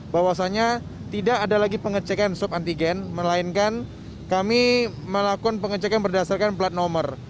bahwasannya tidak ada lagi pengecekan swab antigen melainkan kami melakukan pengecekan berdasarkan plat nomor